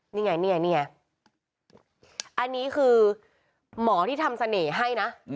นี่ไงอันนี้คือหมอที่ทำเสน่ห์ให้นะ